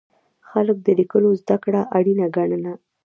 خلک د لیکلو زده کړه اړینه ګڼله.